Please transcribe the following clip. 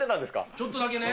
ちょっとだけね。